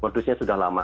produksinya sudah lama